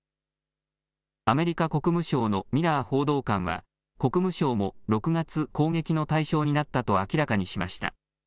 アメリカ国務省のミラー報道官は国務省も６月、攻撃の対象になったと明らかにしました。